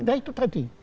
enggak itu tadi